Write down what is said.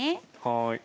はい。